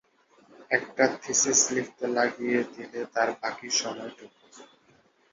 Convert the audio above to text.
একটা থীসিস লিখতে লাগিয়ে দিলে তার বাকি সময়টুকু।